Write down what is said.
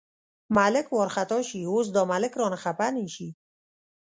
ملک وارخطا شي، اوس دا ملک رانه خپه نه شي.